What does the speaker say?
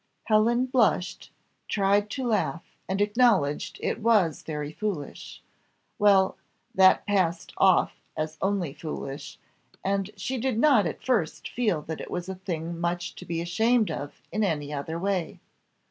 Helen blushed, tried to laugh, and acknowledged it was very foolish. Well, that passed off as only foolish, and she did not at first feel that it was a thing much to be ashamed of in any other way.